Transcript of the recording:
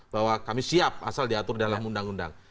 bahwa kami siap asal diatur dalam undang undang